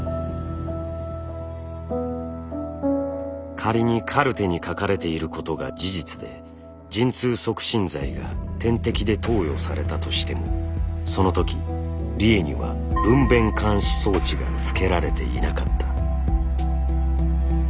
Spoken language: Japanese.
仮にカルテに書かれていることが事実で陣痛促進剤が点滴で投与されたとしてもその時理栄には「分娩監視装置」がつけられていなかった。